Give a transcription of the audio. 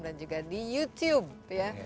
dan juga di youtube ya